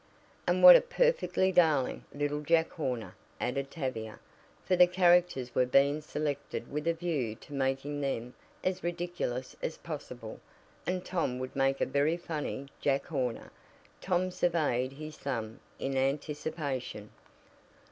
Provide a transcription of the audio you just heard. "And what a perfectly darling 'Little Jack Horner!'" added Tavia, for the characters were being selected with a view to making them as ridiculous as possible, and Tom would make a very funny "Jack Horner." Tom surveyed his thumb in anticipation.